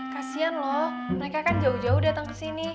kasian loh mereka kan jauh jauh datang kesini